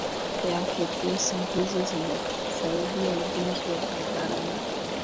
yake pesa hizo zinasaidia ujenzi wa barabara na